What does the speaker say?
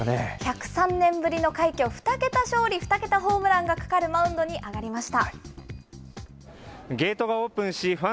１０３年ぶりの快挙、２桁勝利、２桁ホームランがかかるマウンドに上がりました。